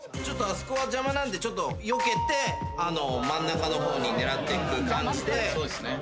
ちょっとあそこは邪魔なんでちょっとよけて真ん中の方に狙っていく感じで。